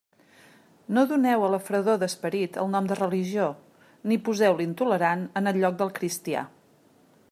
No doneu a la fredor d'esperit el nom de religió; ni poseu l'intolerant en el lloc del cristià.